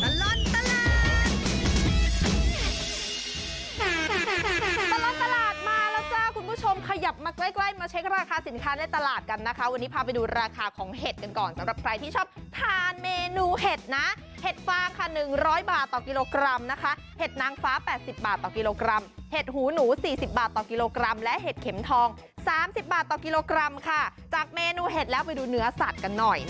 ตลอดตลาดมาแล้วจ้าคุณผู้ชมขยับมาใกล้มาเช็คราคาสินค้าในตลาดกันนะคะวันนี้พาไปดูราคาของเห็ดกันก่อนสำหรับใครที่ชอบทานเมนูเห็ดนะเห็ดฟางค่ะหนึ่งร้อยบาทต่อกิโลกรัมนะคะเห็ดนางฟ้าแปดสิบบาทต่อกิโลกรัมเห็ดหูหนูสี่สิบบาทต่อกิโลกรัมและเห็ดเข็มทองสามสิบบาทต่อกิโลกรัมค่